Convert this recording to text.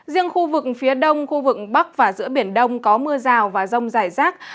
riêng khu vực phía đông khu vực bắc và giữa biển đông có mưa rào và rông rải rác